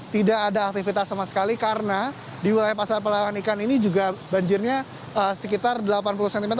tidak ada aktivitas sama sekali karena di wilayah pasar pelawan ikan ini juga banjirnya sekitar delapan puluh cm